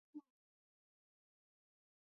آیا هامون پوزک په نیمروز کې دی؟